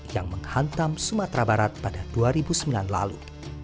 yang menghantam sumatera barat pada dua ribu sembilan lalu